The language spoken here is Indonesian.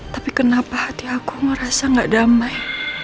tapi kenapa hati aku ngerasa gak damai